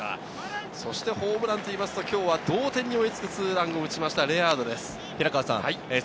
ホームランといいますと、今日は同点に追いつくツーランを放ったレアードです。